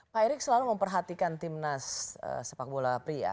pak erick selalu memperhatikan timnas sepak bola pria